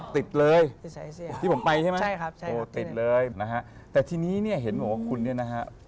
ติดเลยที่ผมไปใช่ไหมโอ้ติดเลยนะฮะแต่ทีนี้เห็นผมว่าคุณนี่นะฮะ